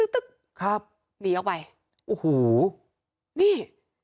ตึ๊กครับหนีออกไปโอ้โหนี่